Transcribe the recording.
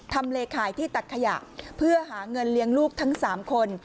เลขายที่ตักขยะเพื่อหาเงินเลี้ยงลูกทั้ง๓คน